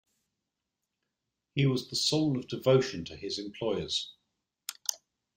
He was the soul of devotion to his employers.